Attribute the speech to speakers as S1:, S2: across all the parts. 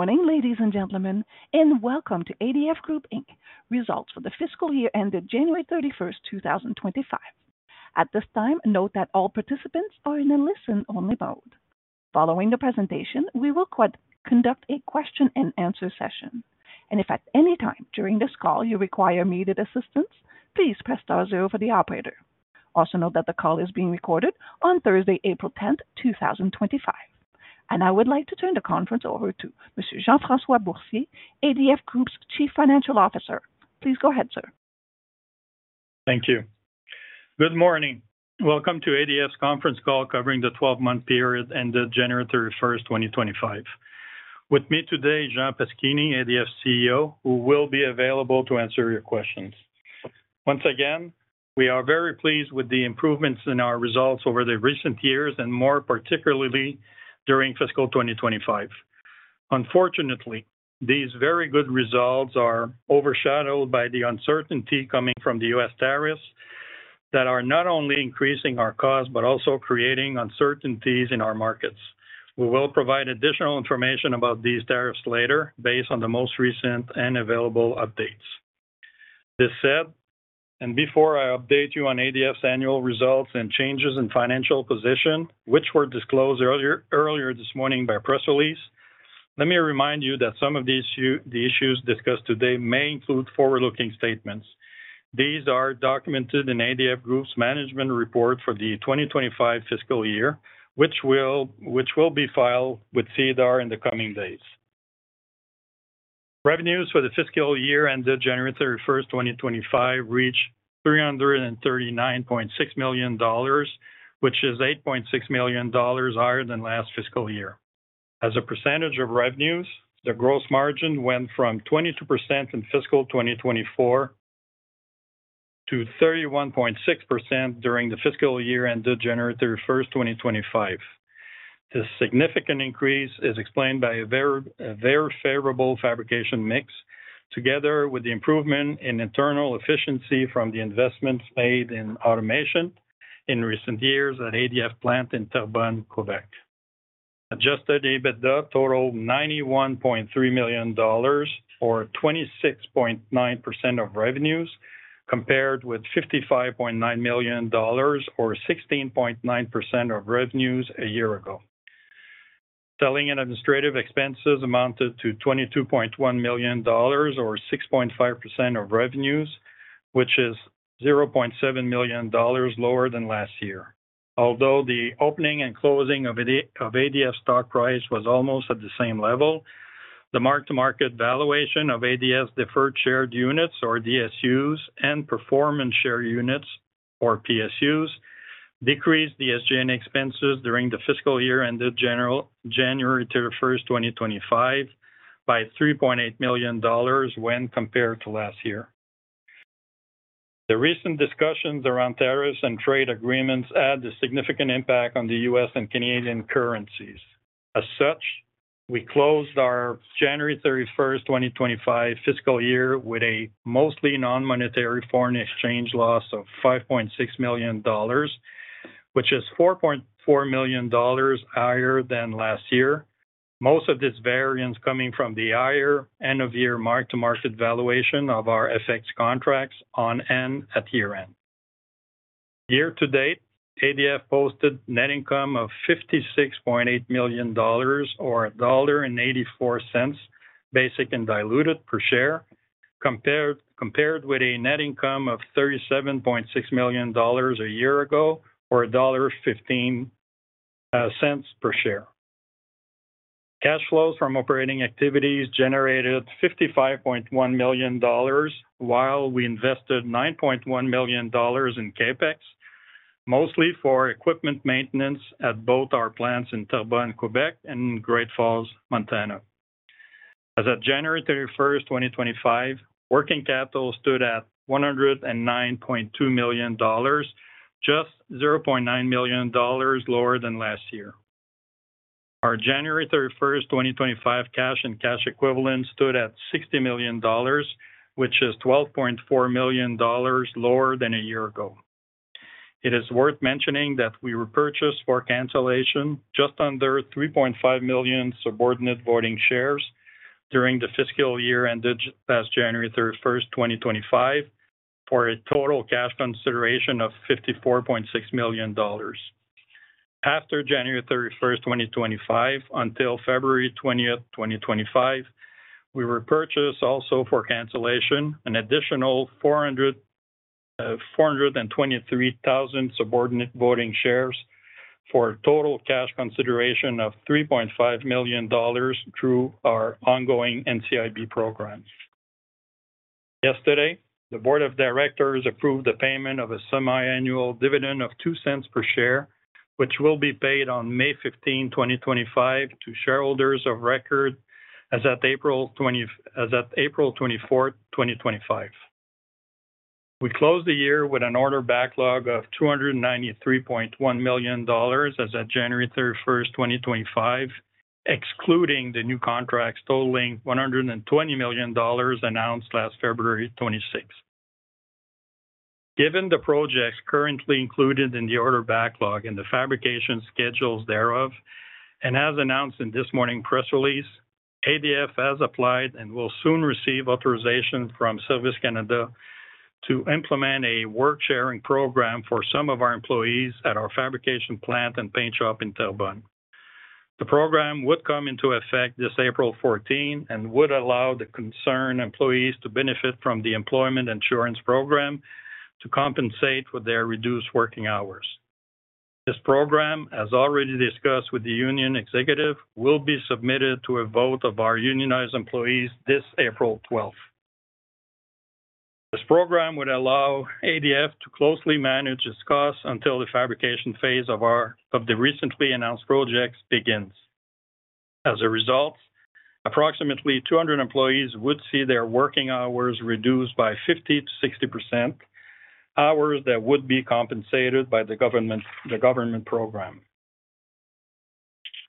S1: Morning, ladies and gentlemen, and welcome to ADF Group Results for the fiscal year ended January 31, 2025. At this time, note that all participants are in a listen-only mode. Following the presentation, we will conduct a question-and-answer session, and if at any time during this call you require immediate assistance, please press star zero for the operator. Also note that the call is being recorded on Thursday, April 10, 2025, and I would like to turn the conference over to Mr. Jean-François Boursier, ADF Group's Chief Financial Officer. Please go ahead, sir.
S2: Thank you. Good morning. Welcome to ADF's conference call covering the 12-month period ended January 31, 2025. With me today, Jean Paschini, ADF CEO, who will be available to answer your questions. Once again, we are very pleased with the improvements in our results over the recent years, and more particularly during fiscal 2025. Unfortunately, these very good results are overshadowed by the uncertainty coming from the U.S. tariffs that are not only increasing our costs but also creating uncertainties in our markets. We will provide additional information about these tariffs later based on the most recent and available updates. This said, and before I update you on ADF's annual results and changes in financial position, which were disclosed earlier this morning by press release, let me remind you that some of the issues discussed today may include forward-looking statements. These are documented in ADF Group's management report for the 2025 fiscal year, which will be filed with SEDAR in the coming days. Revenues for the fiscal year ended January 31, 2025, reached $339.6 million, which is $8.6 million higher than last fiscal year. As a percentage of revenues, the gross margin went from 22% in fiscal 2024 to 31.6% during the fiscal year ended January 31, 2025. This significant increase is explained by a verifiable fabrication mix, together with the improvement in internal efficiency from the investments made in automation in recent years at ADF plant in Terrebonne, Quebec. Adjusted EBITDA totaled $91.3 million, or 26.9% of revenues, compared with $55.9 million, or 16.9% of revenues, a year ago. Selling and administrative expenses amounted to $22.1 million, or 6.5% of revenues, which is $0.7 million lower than last year. Although the opening and closing of ADF stock price was almost at the same level, the mark-to-market valuation of ADF's deferred share units, or DSUs, and performance share units, or PSUs, decreased the SG&A expenses during the fiscal year ended January 31, 2025, by $3.8 million when compared to last year. The recent discussions around tariffs and trade agreements had a significant impact on the U.S. and Canadian currencies. As such, we closed our January 31, 2025, fiscal year with a mostly non-monetary foreign exchange loss of $5.6 million, which is $4.4 million higher than last year, most of this variance coming from the higher end-of-year mark-to-market valuation of our FX contracts on hand at year-end. Year-to-date, ADF posted net income of $56.8 million, or $1.84 basic and diluted per share, compared with a net income of $37.6 million a year ago, or $1.15 per share. Cash flows from operating activities generated $55.1 million, while we invested $9.1 million in CAPEX, mostly for equipment maintenance at both our plants in Terrebonne, Quebec, and Great Falls, Montana. As of January 31, 2025, working capital stood at $109.2 million, just $0.9 million lower than last year. Our January 31, 2025, cash and cash equivalent stood at $60 million, which is $12.4 million lower than a year ago. It is worth mentioning that we repurchased for cancellation just under 3.5 million subordinate voting shares during the fiscal year ended last January 31, 2025, for a total cash consideration of $54.6 million. After January 31, 2025, until February 20, 2025, we repurchased also for cancellation an additional 423,000 subordinate voting shares for a total cash consideration of $3.5 million through our ongoing NCIB program. Yesterday, the Board of Directors approved the payment of a semiannual dividend of $0.02 per share, which will be paid on May 15, 2025, to shareholders of record as of April 24, 2025. We closed the year with an order backlog of $293.1 million as of January 31, 2025, excluding the new contracts totaling $120 million announced last February 26. Given the projects currently included in the order backlog and the fabrication schedules thereof, and as announced in this morning's press release, ADF has applied and will soon receive authorization from Service Canada to implement a work-sharing program for some of our employees at our fabrication plant and paint shop in Terrebonne. The program would come into effect this April 14 and would allow the concerned employees to benefit from the employment insurance program to compensate for their reduced working hours. This program, as already discussed with the union executive, will be submitted to a vote of our unionized employees this April 12. This program would allow ADF to closely manage its costs until the fabrication phase of the recently announced projects begins. As a result, approximately 200 employees would see their working hours reduced by 50%-60%, hours that would be compensated by the government program.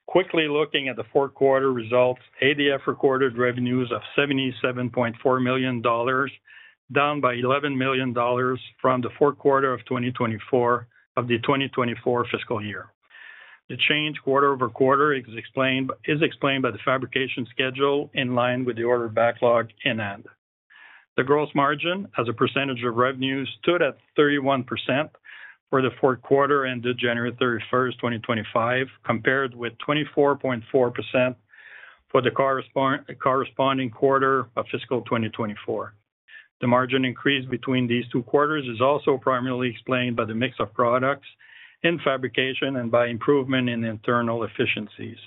S2: Quickly looking at the fourth quarter results, ADF recorded revenues of $77.4 million, down by $11 million from the fourth quarter of 2024 of the 2024 fiscal year. The change quarter over quarter is explained by the fabrication schedule in line with the order backlog in hand. The gross margin, as a percentage of revenues, stood at 31% for the fourth quarter ended January 31, 2025, compared with 24.4% for the corresponding quarter of fiscal 2024. The margin increase between these two quarters is also primarily explained by the mix of products in fabrication and by improvement in internal efficiencies.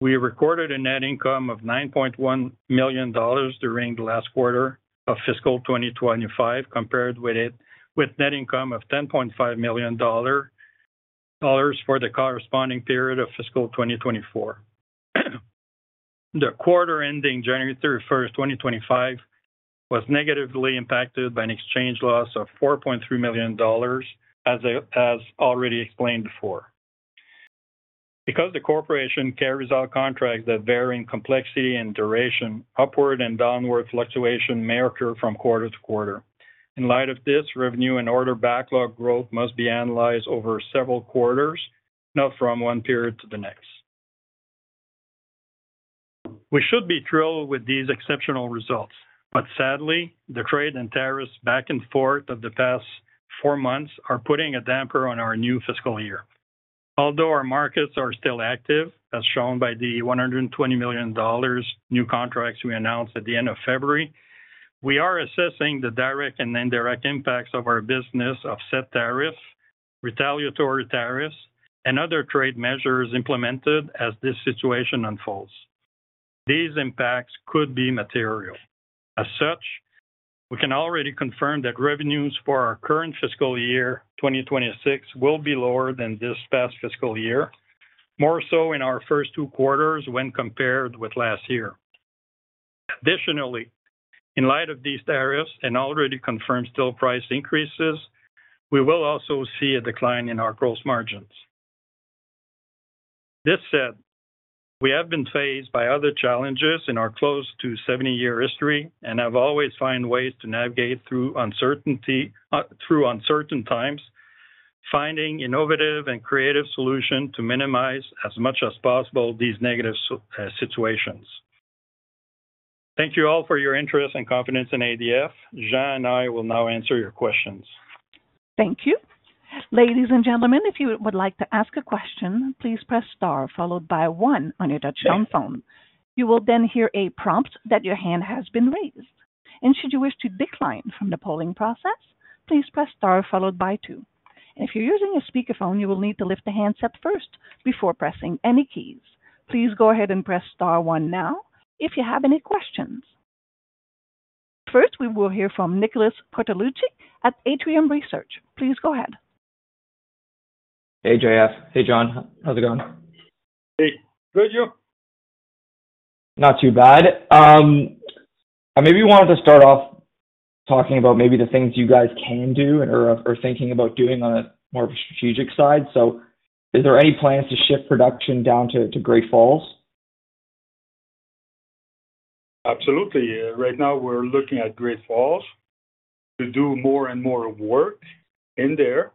S2: We recorded a net income of $9.1 million during the last quarter of fiscal 2025, compared with net income of $10.5 million for the corresponding period of fiscal 2024. The quarter ending January 31, 2025, was negatively impacted by an exchange loss of $4.3 million, as already explained before. Because the corporation carries out contracts that vary in complexity and duration, upward and downward fluctuation may occur from quarter to quarter. In light of this, revenue and order backlog growth must be analyzed over several quarters, not from one period to the next. We should be thrilled with these exceptional results, but sadly, the trade and tariffs back and forth of the past four months are putting a damper on our new fiscal year. Although our markets are still active, as shown by the $120 million new contracts we announced at the end of February, we are assessing the direct and indirect impacts on our business of set tariffs, retaliatory tariffs, and other trade measures implemented as this situation unfolds. These impacts could be material. As such, we can already confirm that revenues for our current fiscal year, 2026, will be lower than this past fiscal year, more so in our first two quarters when compared with last year. Additionally, in light of these tariffs and already confirmed steel price increases, we will also see a decline in our gross margins. This said, we have been faced by other challenges in our close to 70-year history and have always found ways to navigate through uncertain times, finding innovative and creative solutions to minimize as much as possible these negative situations. Thank you all for your interest and confidence in ADF. Jean and I will now answer your questions.
S1: Thank you. Ladies and gentlemen, if you would like to ask a question, please press star followed by one on your touch-tone phone. You will then hear a prompt that your hand has been raised. Should you wish to decline from the polling process, please press star followed by two. If you're using a speakerphone, you will need to lift the handset first before pressing any keys. Please go ahead and press star one now if you have any questions. First, we will hear from Nicholas Cortellucci at Atrium Research. Please go ahead.
S3: Hey, JF. Hey, Jean. How's it going?
S4: Hey. Good, you?
S3: Not too bad. I maybe wanted to start off talking about maybe the things you guys can do or are thinking about doing on a more strategic side. Is there any plans to shift production down to Great Falls?
S4: Absolutely. Right now, we're looking at Great Falls to do more and more work in there.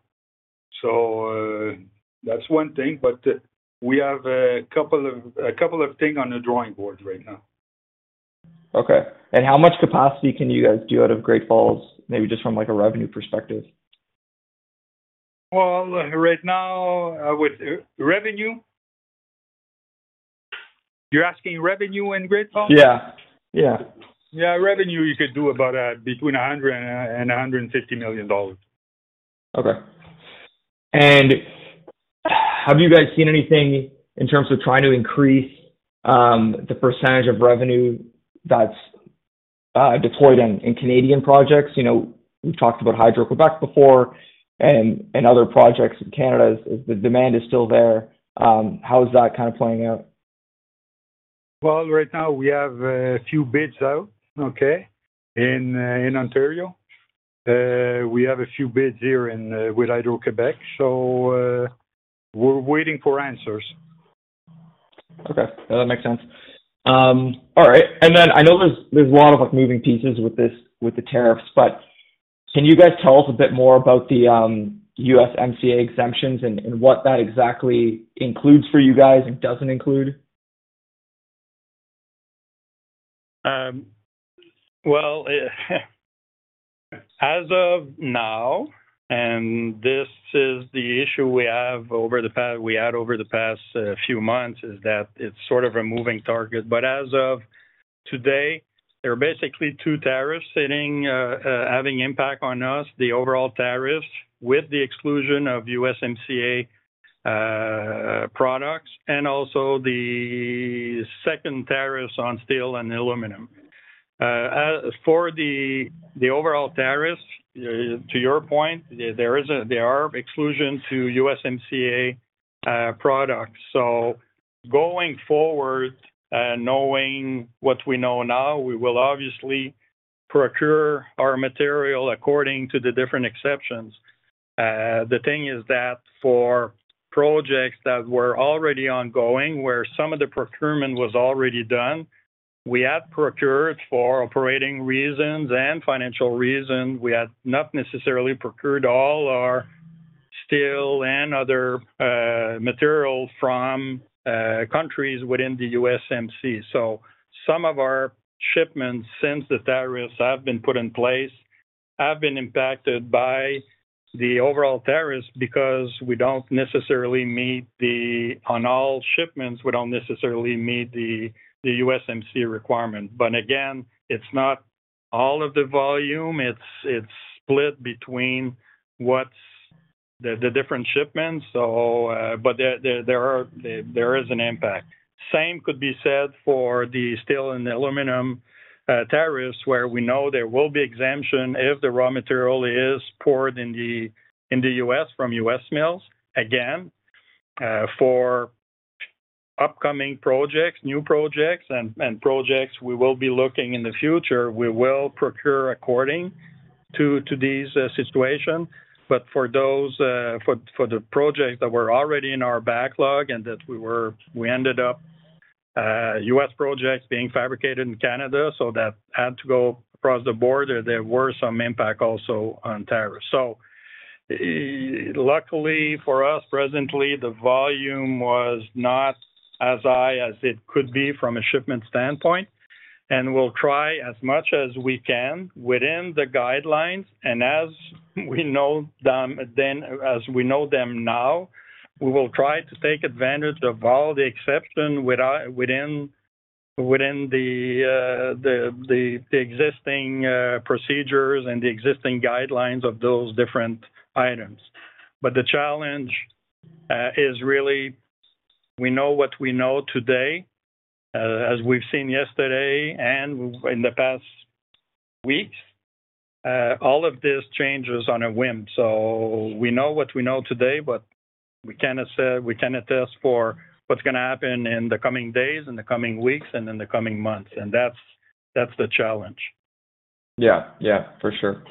S4: That is one thing, but we have a couple of things on the drawing board right now.
S3: Okay. How much capacity can you guys do out of Great Falls, maybe just from a revenue perspective?
S4: Right now, with revenue, you're asking revenue in Great Falls?
S3: Yeah. Yeah.
S4: Yeah, revenue, you could do about between $100 million and $150 million.
S3: Okay. Have you guys seen anything in terms of trying to increase the percentage of revenue that's deployed in Canadian projects? We've talked about Hydro-Quebec before and other projects in Canada. The demand is still there. How is that kind of playing out?
S4: Right now, we have a few bids out, okay, in Ontario. We have a few bids here with Hydro-Quebec. We are waiting for answers.
S3: Okay. That makes sense. All right. I know there's a lot of moving pieces with the tariffs, but can you guys tell us a bit more about the USMCA exemptions and what that exactly includes for you guys and doesn't include?
S4: As of now, and this is the issue we had over the past few months, it is sort of a moving target. As of today, there are basically two tariffs having impact on us, the overall tariffs with the exclusion of USMCA products and also the second tariffs on steel and aluminum. For the overall tariffs, to your point, there are exclusions to USMCA products. Going forward, knowing what we know now, we will obviously procure our material according to the different exceptions. The thing is that for projects that were already ongoing, where some of the procurement was already done, we had procured for operating reasons and financial reasons. We had not necessarily procured all our steel and other materials from countries within the USMCA. Some of our shipments since the tariffs have been put in place have been impacted by the overall tariffs because we do not necessarily meet the, on all shipments, we do not necessarily meet the USMCA requirement. Again, it is not all of the volume. It is split between the different shipments. There is an impact. The same could be said for the steel and aluminum tariffs, where we know there will be exemption if the raw material is poured in the U.S. from U.S. mills. Again, for upcoming projects, new projects, and projects we will be looking at in the future, we will procure according to this situation. For the projects that were already in our backlog and that we ended up with U.S. projects being fabricated in Canada, so that had to go across the border, there were some impacts also on tariffs. Luckily for us, presently, the volume was not as high as it could be from a shipment standpoint. We will try as much as we can within the guidelines. As we know them now, we will try to take advantage of all the exceptions within the existing procedures and the existing guidelines of those different items. The challenge is really we know what we know today, as we have seen yesterday and in the past weeks. All of this changes on a whim. We know what we know today, but we cannot assess for what is going to happen in the coming days, in the coming weeks, and in the coming months. That is the challenge.
S3: Yeah. Yeah, for sure.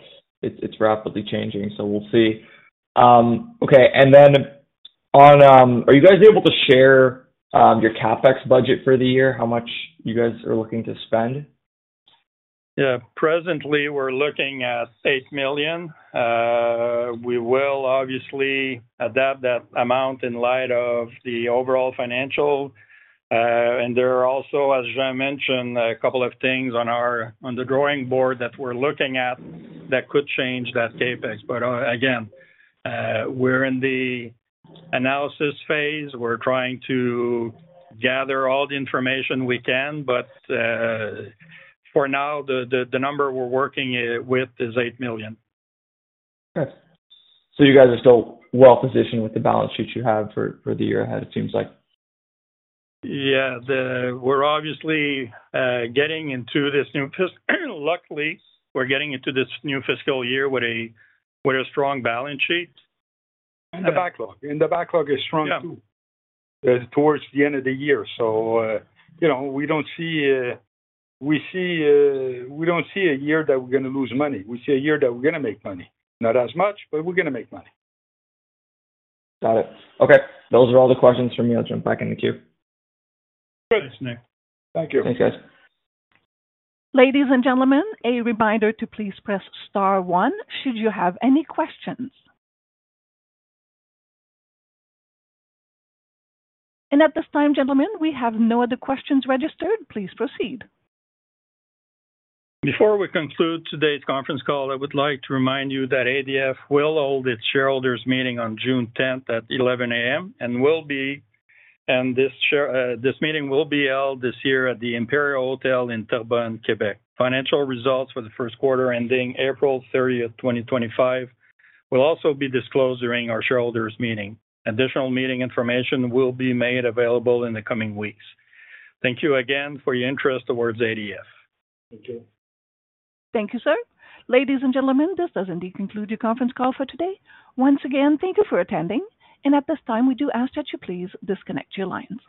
S3: It's rapidly changing. We'll see. Okay. Are you guys able to share your CapEx budget for the year, how much you guys are looking to spend?
S4: Yeah. Presently, we're looking at $8 million. We will obviously adapt that amount in light of the overall financial. There are also, as Jean mentioned, a couple of things on the drawing board that we're looking at that could change that CapEx. Again, we're in the analysis phase. We're trying to gather all the information we can. For now, the number we're working with is $8 million.
S3: Okay. You guys are still well-positioned with the balance sheet you have for the year ahead, it seems like.
S4: Yeah. We're obviously getting into this new, luckily, we're getting into this new fiscal year with a strong balance sheet. The backlog is strong too. Towards the end of the year. We don't see a year that we're going to lose money. We see a year that we're going to make money. Not as much, but we're going to make money.
S3: Got it. Okay. Those are all the questions for me. I'll jump back into Q.
S4: Good. Thank you.
S3: Thanks, guys.
S1: Ladies and gentlemen, a reminder to please press star one should you have any questions. At this time, gentlemen, we have no other questions registered. Please proceed.
S4: Before we conclude today's conference call, I would like to remind you that ADF will hold its shareholders' meeting on June 10 at 11:00 A.M., and this meeting will be held this year at the Imperia Hotel in Terrebonne, Quebec. Financial results for the first quarter ending April 30, 2025, will also be disclosed during our shareholders' meeting. Additional meeting information will be made available in the coming weeks. Thank you again for your interest towards ADF.
S3: Thank you.
S1: Thank you, sir. Ladies and gentlemen, this does indeed conclude your conference call for today. Once again, thank you for attending. At this time, we do ask that you please disconnect your lines.